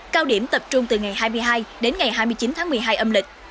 cao điểm tập trung từ ngày hai mươi hai đến ngày hai mươi chín tháng một mươi hai âm lịch